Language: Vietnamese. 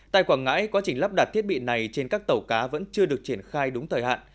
tại quảng ngãi quá trình lắp đặt thiết bị này trên các tàu cá vẫn chưa được triển khai đúng thời hạn